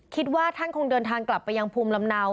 คิดว่าท่านคงเดินทางกลับไปยังภูมิลำเนา